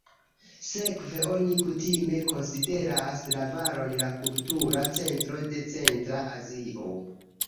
Sekve oni kutime konsideras la valon la kultura centro de Centra Azio.